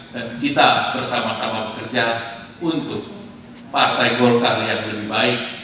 dan kita bersama sama bekerja untuk partai golkar yang lebih baik